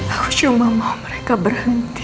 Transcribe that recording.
aku cuma mau mereka berhenti